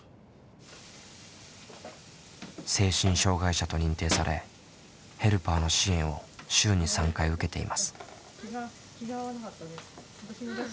精神障害者と認定されヘルパーの支援を週に３回受けています。